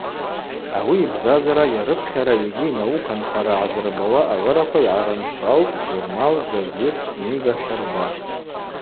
Ауи йбзазара, йарыпхьара йгьи йнаука нхара гӏазырбауа агӏвыраква йгӏарыншвалтӏ журнал, газет, книга щарда.